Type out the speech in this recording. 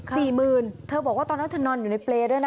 สี่หมื่นเธอบอกว่าตอนนั้นเธอนอนอยู่ในเปรย์ด้วยนะ